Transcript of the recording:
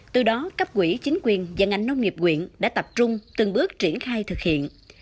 từ đó cấp quỹ chính quyền và ngành nông nghiệp quyện đã tập trung từng bước triển khai thực hiện